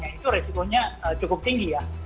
itu resikonya cukup tinggi ya